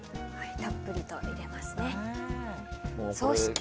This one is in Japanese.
たっぷりと入れますね。